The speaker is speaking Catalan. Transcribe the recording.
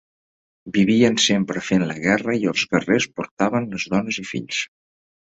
Vivien sempre fent la guerra i els guerrers portaven les dones i fills.